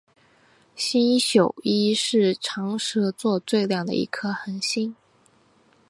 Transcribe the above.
星宿一是长蛇座最亮的一颗恒星。